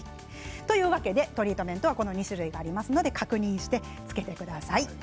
トリートメントはこの２種類がありますので確認してつけてください。